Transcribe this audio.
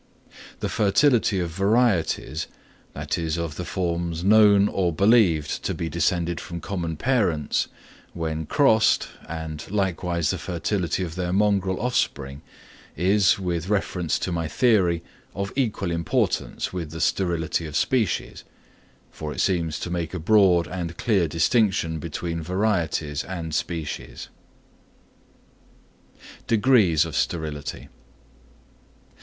The fertility of varieties, that is of the forms known or believed to be descended from common parents, when crossed, and likewise the fertility of their mongrel offspring, is, with reference to my theory, of equal importance with the sterility of species; for it seems to make a broad and clear distinction between varieties and species. _Degrees of Sterility.